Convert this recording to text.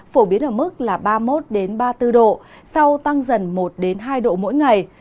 phổ biến ở mức là ba mươi một ba mươi bốn độ sau tăng dần một hai độ mỗi ngày